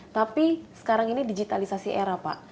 tapi sekarang ini digitalisasi era pak